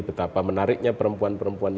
betapa menariknya perempuan perempuan